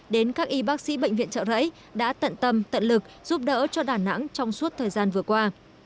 đến các y bác sĩ bệnh viện trợ rẫy đã tận tâm tận lực giúp đỡ cho đà nẵng trong suốt thời gian vừa qua